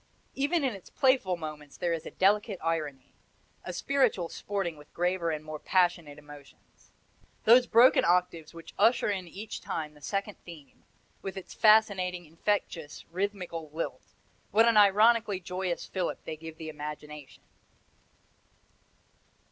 Even in its playful moments there is delicate irony, a spiritual sporting with graver and more passionate emotions. Those broken octaves which usher in each time the second theme, with its fascinating, infectious, rhythmical lilt, what an ironically joyous fillip they give the imagination!